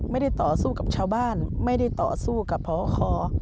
ไม่ได้ต่อสู้กับชาวบ้านไม่ได้ต่อสู้กับพอคอ